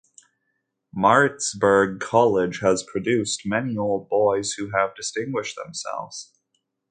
Maritzburg College has produced many Old Boys who have distinguished themselves.